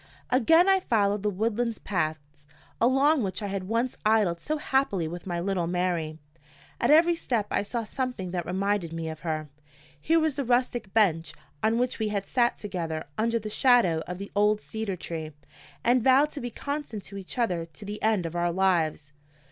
Again I followed the woodland paths along which I had once idled so happily with my little Mary. At every step I saw something that reminded me of her. Here was the rustic bench on which we had sat together under the shadow of the old cedar tree, and vowed to be constant to each other to the end of our lives.